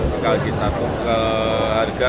sekali satu harga